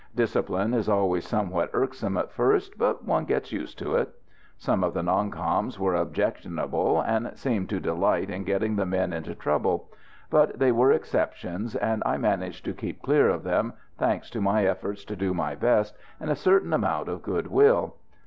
Discipline is always somewhat irksome at first, but one gets used to it. Some of the "non coms" were objectionable, and seemed to delight in getting the men into trouble; but they were exceptions, and I managed to keep clear of them, thanks to my efforts to do my best, and a certain amount of goodwill.